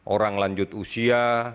orang lanjut usia